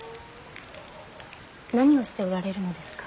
何をしておられるのですか。